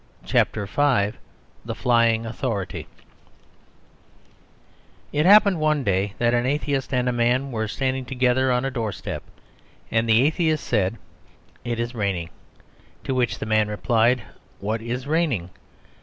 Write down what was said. CHAPTER V THE FLYING AUTHORITY It happened one day that an atheist and a man were standing together on a doorstep; and the atheist said, "It is raining." To which the man replied, "What is raining?"